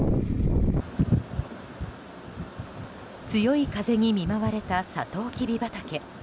強い風に見舞われたサトウキビ畑。